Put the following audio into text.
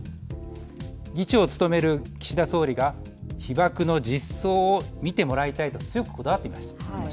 議長を務める岸田総理が被爆の実相を見てもらいたいと強くこだわっています。